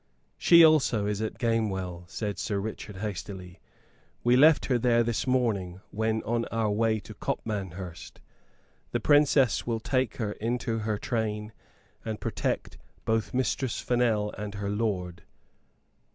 "She also is at Gamewell," said Sir Richard, hastily. "We left her there this morning when on our way to Copmanhurst. The Princess will take her into her train, and protect both Mistress Fennel and her lord."